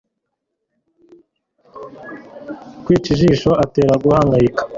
uwica ijisho atera guhangayika